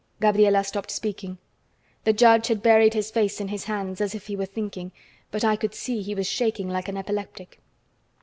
Gabriela stopped speaking. The judge had buried his face in his hands, as if he were thinking, but I could see he was shaking like an epileptic.